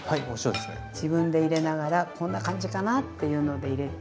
自分で入れながらこんな感じかなっていうので入れて。